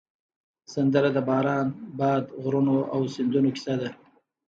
سندره د باران، باد، غرونو او سیندونو کیسه ده